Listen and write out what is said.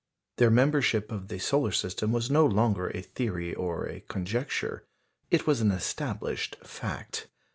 Their membership of the solar system was no longer a theory or a conjecture it was an established fact.